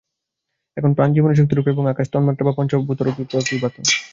এখানে প্রাণ জীবনীশক্তিরূপে এবং আকাশ তন্মাত্রা বা পঞ্চভূতরূপে প্রতিভাত।